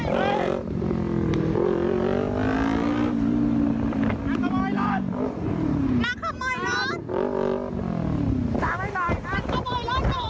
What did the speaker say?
โอ๊ย